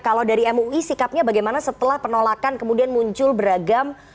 kalau dari mui sikapnya bagaimana setelah penolakan kemudian muncul beragam